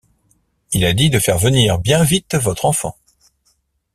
Il a dit de faire venir bien vite votre enfant.